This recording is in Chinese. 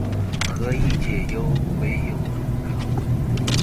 何以解忧，唯有杜康